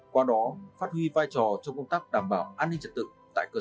qua đó phát huy vai trò trong công tác đảm bảo an ninh trật tự tại cơ sở